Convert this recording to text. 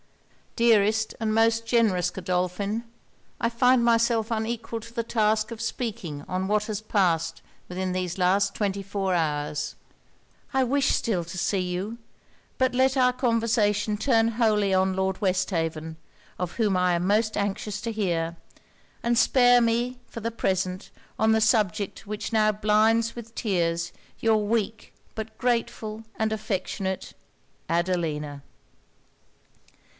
'Dearest and most generous Godolphin! I find myself unequal to the task of speaking on what has passed within these last twenty four hours. I wish still to see you. But let our conversation turn wholly on Lord Westhaven, of whom I am anxious to hear; and spare me, for the present, on the subject which now blinds with tears your weak but grateful and affectionate ADELINA.'